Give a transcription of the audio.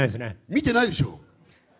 見てないでしょ？